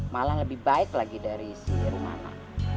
malah lebih baik lagi dari si rimana